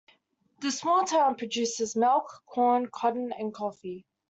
The small town produces milk, corn, cotton, and coffee.